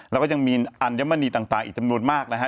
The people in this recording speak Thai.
แล้วก็ยังมีอัญมณีต่างอีกจำนวนมากนะฮะ